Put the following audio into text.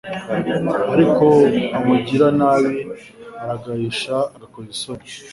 ariko umugiranabi aragayisha agakoza isoni